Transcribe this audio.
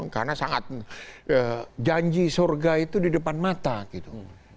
karena sangat janji surga itu di depan mata gitu